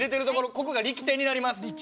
ここが力点になります。